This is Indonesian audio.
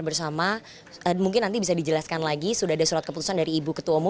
bersama mungkin nanti bisa dijelaskan lagi sudah ada surat keputusan dari ibu ketua umum